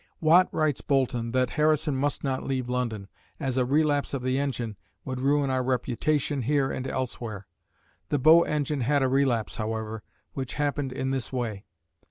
Watt writes Boulton that Harrison must not leave London, as "a relapse of the engine would ruin our reputation here and elsewhere." The Bow engine had a relapse, however, which happened in this way.